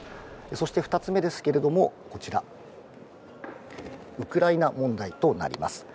そして２つ目ですけれども、こちら、ウクライナ問題となります。